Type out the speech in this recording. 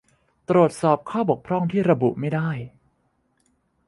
ตรวจพบข้อบกพร่องที่ระบุไม่ได้